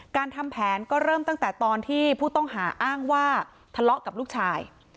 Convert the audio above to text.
ทำแผนก็เริ่มตั้งแต่ตอนที่ผู้ต้องหาอ้างว่าทะเลาะกับลูกชาย